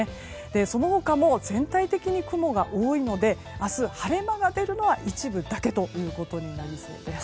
その他も全体的に雲が多いので明日、晴れ間が出るのは一部だけということになりそうです。